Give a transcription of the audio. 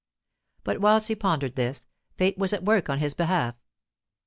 But whilst he pondered this, fate was at work on his behalf.